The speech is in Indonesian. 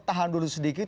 tahan dulu sedikit